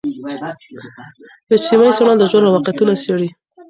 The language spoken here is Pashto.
اجتماعي څېړنه د ژوند واقعتونه څیړي.